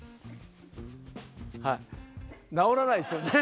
はい直らないですよね。